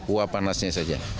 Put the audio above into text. uap panasnya saja